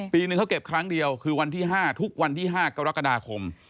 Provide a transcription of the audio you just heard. ปีนึงเขาเก็บครั้งเดียวคือวันที่๕ทุกวันที่๕กรกฎาคม